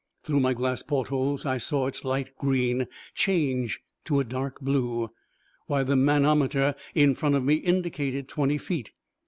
Through my glass portholes I saw its light green change to a dark blue, while the manometer in front of me indicated twenty feet.